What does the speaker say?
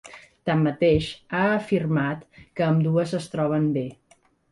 Tanmateix, ha afirmat que ambdues es troben bé.